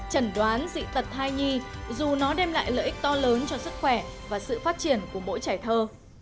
cho lớn cho sức khỏe và sự phát triển của mỗi trẻ thơ